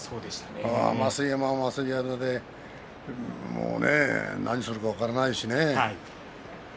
増位山は増位山で何をするか分からないしね。